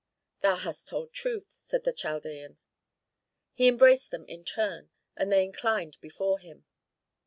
"Thou hast told truth," said the Chaldean. He embraced them in turn, and they inclined before him.